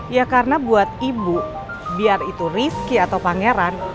ya karena buat ibu biar itu rizky atau pangeran